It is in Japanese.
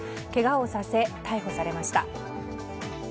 けがをさせ逮捕されました。